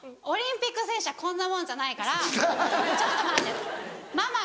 「オリンピック選手はこんなもんじゃないからちょっと待て」と。